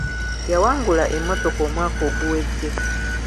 Yawangula emmotoka omwaka oguwedde.